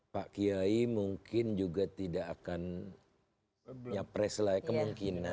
pak kiai mungkin juga tidak akan nyapres lagi